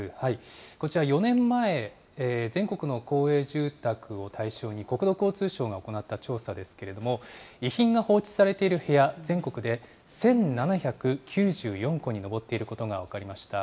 こちら４年前、全国の公営住宅を対象に国土交通省が行った調査ですけれども、遺品が放置されている部屋、全国で１７９４戸に上っていることが分かりました。